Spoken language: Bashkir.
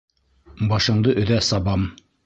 Башыңды өҙә сабам!